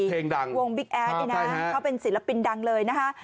เพลงดังวงบิ๊กแอดนี่นะเขาเป็นศิลปินดังเลยนะคะ